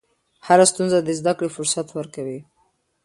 هره ستونزه د زدهکړې فرصت ورکوي.